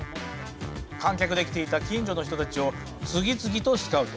観客で来ていた近所の人たちを次々とスカウト。